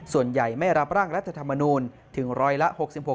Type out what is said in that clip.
ส่วนใหญ่ไม่รับร่างรัฐธรรมนูลถึงร้อยละ๖๖